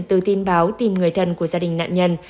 từ tin báo tìm người thân của gia đình nạn nhân